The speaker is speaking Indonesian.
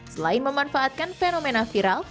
selain memanfaatkan fenomena viral